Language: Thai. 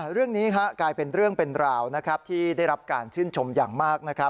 เรื่องนี้กลายเป็นเรื่องเป็นราวที่ได้รับการชื่นชมอย่างมาก